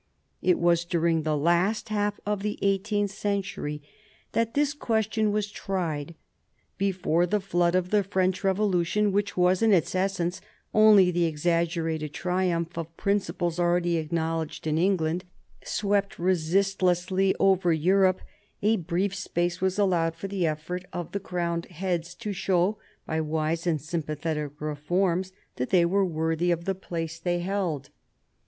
It was during the last half of the eighteenth century that this question was tried. Before the flood of the French ^Revolution, which was in its essence only the exaggerated triumph of principles already acknowledged in England, swept resistlessly over Europe, a brief space was allowed for the effort of the crowned heads to show, by wise and sympathetic reforms, that they were worthy of the place they held.